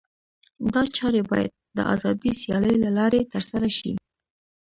دا چارې باید د آزادې سیالۍ له لارې ترسره شي.